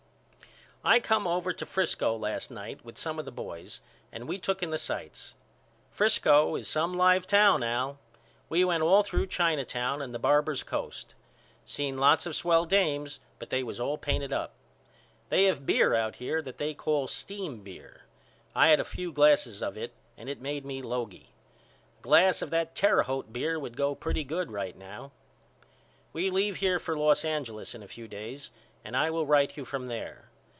I come over to Frisco last night with some of the boys and we took in the sights. Frisco is some live town Al. We went all through China Town and the Barbers' Coast. Seen lots of swell dames but they was all painted up. They have beer out here that they call steam beer. I had a few glasses of it and it made me logey. A glass of that Terre Haute beer would go pretty good right now. We leave here for Los Angeles in a few days and I will write you from there.